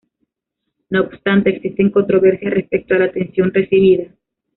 No obstante, existen controversias respecto a la atención recibida.